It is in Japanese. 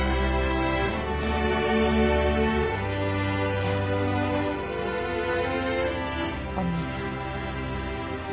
じゃお兄さん。